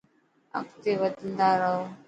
اڳتي وڌندا رهو.